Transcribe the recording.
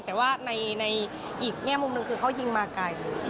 แต่ว่าในอีกแง่มุมหนึ่งคือเขายิงมาไกล